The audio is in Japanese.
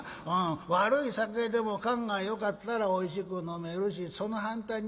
悪い酒でも燗がよかったらおいしく飲めるしその反対にええ